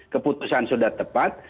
keputusan sudah tepat